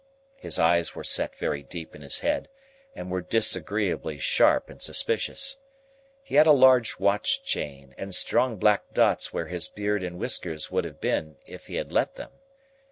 His eyes were set very deep in his head, and were disagreeably sharp and suspicious. He had a large watch chain, and strong black dots where his beard and whiskers would have been if he had let them.